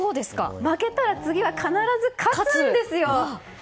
負けたら次は必ず勝つんですよ！